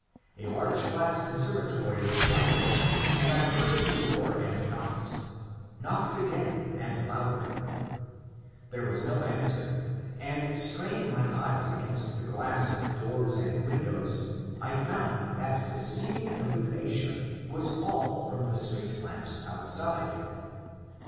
The large glass conservatory was lighted, and I hurried to the door and knocked, — knocked again, and louder. There was no answer, and straining my eyes against the glass of doors and windows I found that the seeming illumination was all from the street lamps outside.